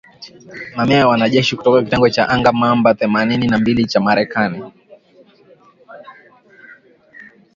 Mamia ya wanajeshi kutoka kitengo cha anga namba themanini na mbili cha Marekani